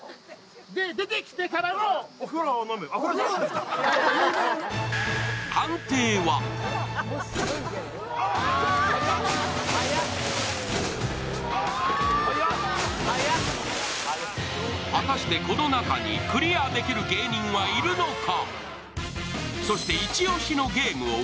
出てきてからのお風呂を飲む果たして、この中にクリアできる芸人はいるのか。